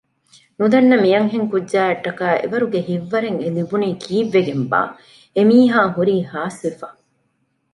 ނުދަންނަ މިއަންހެން ކުއްޖާއަށްޓަކައި އެވަރުގެ ހިތްވަރެއް އެލިބުނީ ކީއްވެގެންބާއެވެ؟ އެމީހާ ހުރީ ހާސްވެފަ